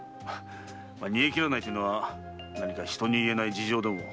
煮えきらないというのは何か人に言えない事情でも。